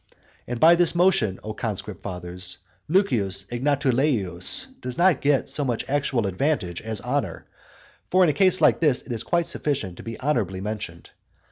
And by this motion, O conscript fathers, Lucius Egnatuleius does not get so much actual advantage as honour. For in a case like this it is quite sufficient to be honourably mentioned.